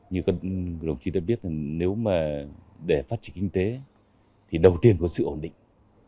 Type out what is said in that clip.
như các đồng chí tôi biết nếu mà để phát triển kinh tế thì đầu tiên có sự ổn định